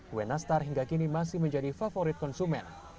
kue nastar hingga kini masih menjadi favorit konsumen